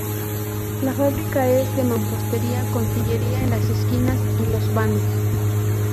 La fábrica es de mampostería, con sillería en las esquinas y los vanos.